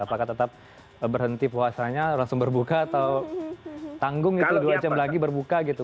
apakah tetap berhenti puasanya langsung berbuka atau tanggung itu dua jam lagi berbuka gitu